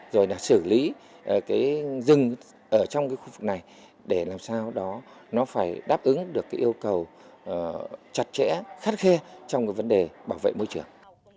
rồi là xử lý cái rừng ở trong cái khu vực này để làm sao đó nó phải đáp ứng được cái yêu cầu chặt chẽ khắt khe trong cái vấn đề bảo vệ môi trường